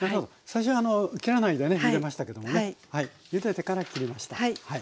最初切らないでゆでましたけどもねゆでてから切りました。